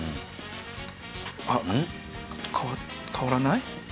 あっ変わ変わらない？